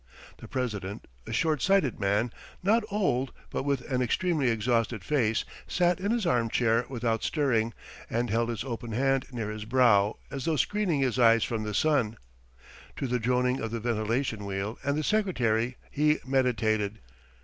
The president, a short sighted man, not old but with an extremely exhausted face, sat in his armchair without stirring and held his open hand near his brow as though screening his eyes from the sun. To the droning of the ventilation wheel and the secretary he meditated.